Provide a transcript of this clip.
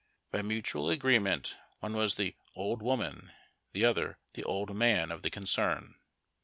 By mutual agreement one was the "old woman," the other the ''old man" of the concern.